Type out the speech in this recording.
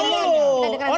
orang saya gunjuk dulu